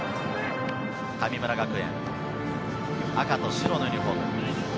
神村学園、赤と白のユニホーム。